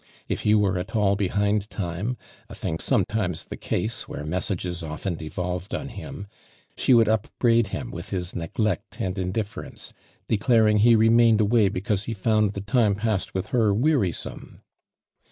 If he were at all behind time, a thing sometimes the case^ where messages often devolved on him, she would upbraid him with his neglect and indifference, declaring he remained away because he found the time passed with her, wearisome.